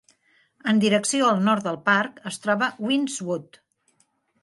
En direcció al nord del parc, es troba Winn's Wood.